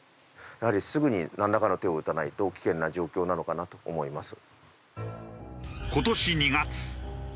やはりすぐになんらかの手を打たないと危険な状況なのかなと思います。